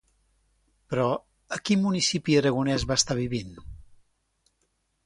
Però, a quin municipi aragonès va estar vivint?